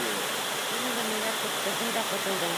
Һин уны миңә тотторҙоң да ҡотолдоң.